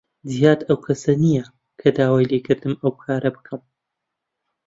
جیهاد ئەو کەسە نییە کە داوای لێ کردم ئەو کارە بکەم.